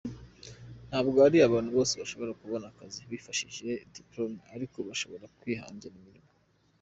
Ntabwo ari abantu bose bashobora kubona akazi bifashishije diplôme ariko bashobora kwihangira imirimo.